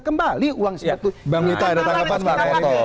kembali uang seperti itu